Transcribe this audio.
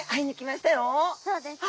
そうですね。